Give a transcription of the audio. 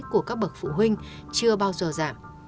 của các bậc phụ huynh chưa bao giờ giảm